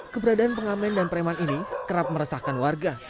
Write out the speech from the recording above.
keberadaan pengamen dan preman ini kerap meresahkan warga